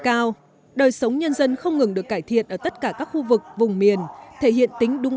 cao đời sống nhân dân không ngừng được cải thiện ở tất cả các khu vực vùng miền thể hiện tính đúng